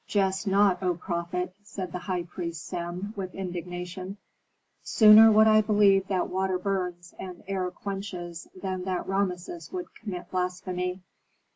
"Jest not, O prophet," said the high priest Sem, with indignation. "Sooner would I believe that water burns and air quenches than that Rameses would commit blasphemy."